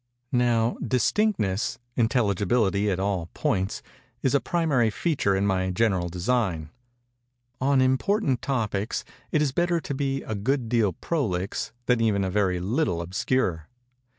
Now, distinctness—intelligibility, at all points, is a primary feature in my general design. On important topics it is better to be a good deal prolix than even a very little obscure.